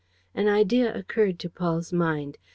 An idea occurred to Paul's mind.